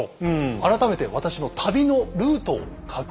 改めて私の旅のルートを確認していきましょう。